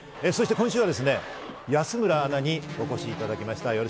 そして今週は安村アナにお越しいただきました。